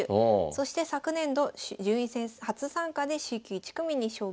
そして昨年度順位戦初参加でＣ級１組に昇級。